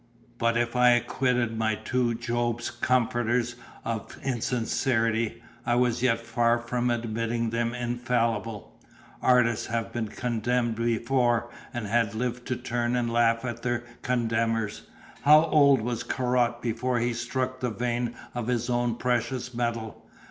But if I acquitted my two Job's comforters of insincerity, I was yet far from admitting them infallible. Artists had been contemned before, and had lived to turn the laugh on their contemners. How old was Corot before he struck the vein of his own precious metal?